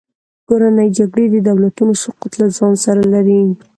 کورنۍ جګړې د دولتونو سقوط له ځان سره لري.